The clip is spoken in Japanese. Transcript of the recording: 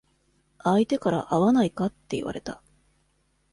相手から会わないかって言われた。